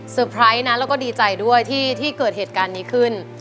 ไพรส์นะแล้วก็ดีใจด้วยที่เกิดเหตุการณ์นี้ขึ้น